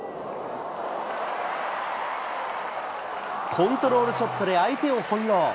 コントロールショットで相手を翻弄。